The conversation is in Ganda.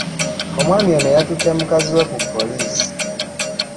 Omwami ono yatutte mukazi we ku poliisi